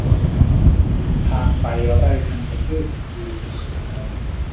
ทางไปไร่ธัญพืชอยู่สุดถนน